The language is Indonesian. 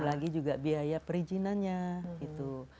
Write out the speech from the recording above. lagi juga biaya perizinannya gitu